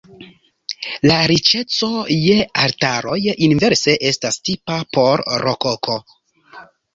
La riĉeco je altaroj inverse estas tipa por rokoko.